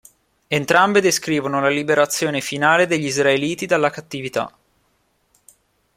Entrambe descrivono la liberazione finale degli Israeliti dalla cattività.